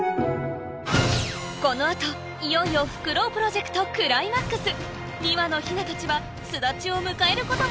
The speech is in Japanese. この後いよいよフクロウプロジェクトクライマックス！